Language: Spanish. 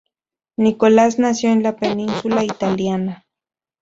Nicolás nació en la península italiana.